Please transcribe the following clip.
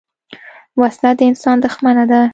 وسله د انسان دښمنه ده